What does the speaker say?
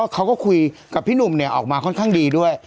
เขาก็คุยกับพี่หนุ่มออกมาค่อนข้างดีด้วย